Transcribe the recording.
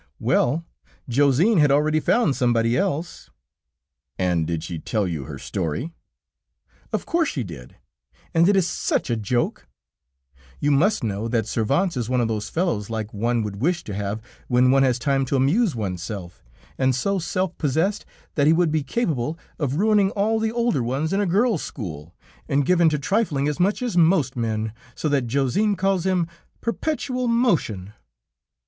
"Well, Josine had already found somebody else...." "And did she tell you her story?" "Of course she did, and it is such a joke!... You must know that Servance is one of those fellows like one would wish to have when one has time to amuse oneself, and so self possessed that he would be capable of ruining all the older ones in a girls' school, and given to trifling as much as most men, so that Josine calls him 'perpetual motion.'